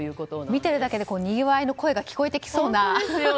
見ているだけで、にぎわいの声が聞こえてきそうです。